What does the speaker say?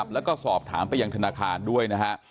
แล้วก็สอบถามไปยังธนาคารด้วยนะฮะ